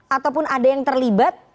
ataupun ada yang terlibat